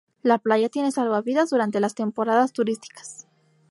La playa tiene salvavidas durante las temporadas turísticas.